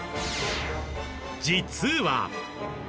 実は。